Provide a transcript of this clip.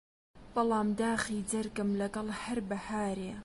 بەڵام داخی جەرگم لەگەڵ هەر بەهارێ